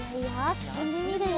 すすんでみるよ。